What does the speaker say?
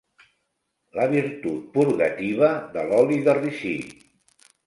La virtut purgativa de l'oli de ricí.